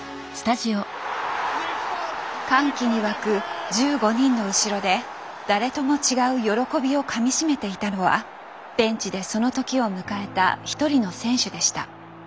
歓喜にわく１５人の後ろで誰とも違う喜びをかみしめていたのはベンチでその時を迎えた一人の選手でした。